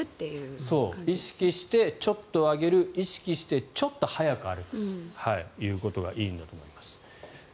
意識してちょっと上げる意識してちょっと速く歩くというのがいいんだと思います。